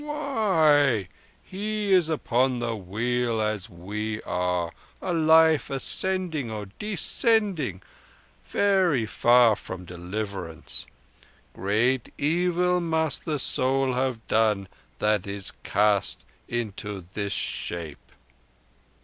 "Why? He is upon the Wheel as we are—a life ascending or descending—very far from deliverance. Great evil must the soul have done that is cast into this shape."